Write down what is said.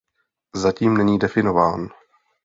Zatím není definován.